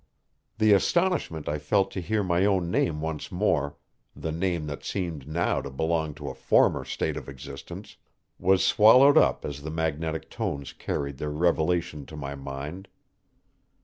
The astonishment I felt to hear my own name once more the name that seemed now to belong to a former state of existence was swallowed up as the magnetic tones carried their revelation to my mind.